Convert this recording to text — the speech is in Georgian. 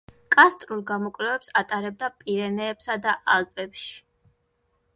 კარსტულ გამოკვლევებს ატარებდა პირენეებსა და ალპებში.